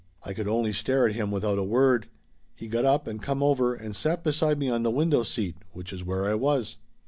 I could only stare at him without a word. He got up and come over and sat beside me on the window seat, which is where I was.